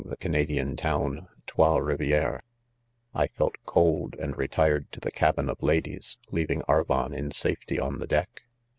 the Canadian town, Trois Rivieres^ I felt cold, and retired to the cabin of ladies, , leav ing Aryon in. safety on the deck..